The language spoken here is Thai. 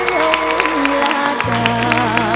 ใจหาเริ่มรักกัน